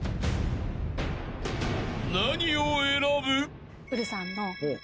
［何を選ぶ？］